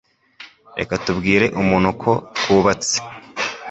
Reka tubwire umuntu ko twubatse.